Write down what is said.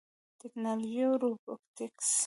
ټیکنالوژي او روبوټکس